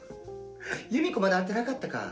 ユミコまだ会ってなかったか。